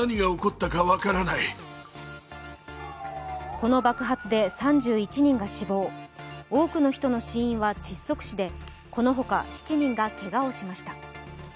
この爆発で３１人が死亡、多くの人の死因は窒息死で、このほか７人がけがをしました。